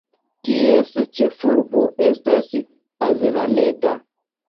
Ties ĉefurbo estas Avellaneda.